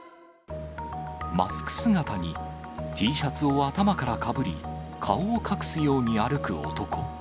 マスク姿にＴシャツを頭からかぶり、顔を隠すように歩く男。